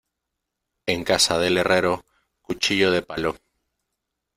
En casa del herrero, cuchillo de palo.